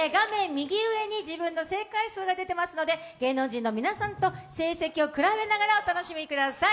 右上に自分の正解数が出ていますので、芸能人の皆さんと成績を比べながらお楽しみください。